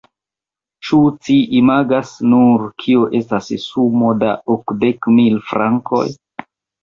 Ĉu ci imagas nur, kio estas sumo da okdek mil frankoj?